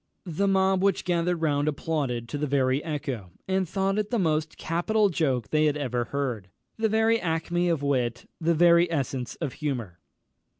_" The mob which gathered round applauded to the very echo, and thought it the most capital joke they had ever heard, the very acmé of wit, the very essence of humour.